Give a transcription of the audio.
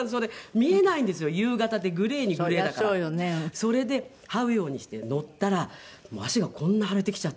それではうようにして乗ったら足がこんな腫れてきちゃって。